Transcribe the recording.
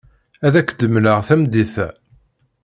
Ad ak-d-mleɣ tamdint-a.